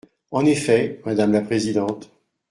En effet, madame la présidente.